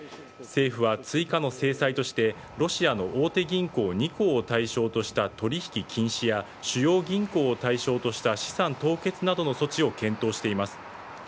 政府は追加の制裁としてロシアの大手銀行２行を対象とした取引禁止や主要銀行を対象とした資産凍結などの措置を検討しています。